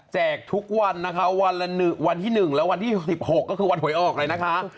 ทุกวันนะคะวันที่๑และวันที่๑๖ก็คือวันหวยออกเลยนะคะ